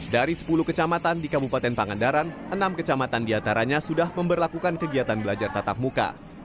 dari sepuluh kecamatan di kabupaten pangandaran enam kecamatan di antaranya sudah memperlakukan kegiatan belajar tatap muka